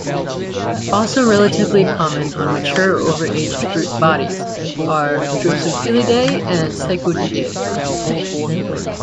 Also relatively common on mature or overaged fruit bodies are Drosophilidae and Psychodidae.